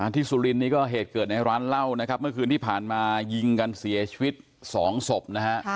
สุรินนี่ก็เหตุเกิดในร้านเหล้านะครับเมื่อคืนที่ผ่านมายิงกันเสียชีวิตสองศพนะฮะ